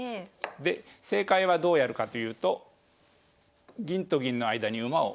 で正解はどうやるかというと銀と銀の間に馬を捨てるわけですね。